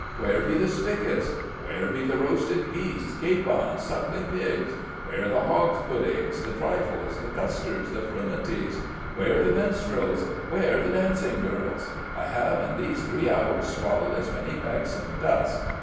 Where be the spigots? Where be the roasted geese, capons, sucking pigs? Where the hogs puddings, the trifles, the custards, the frumenties? Where the minstrels? Where the dancing girls? I have in these three hours swallowed as many pecks of dust.